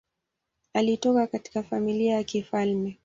Alitoka katika familia ya kifalme.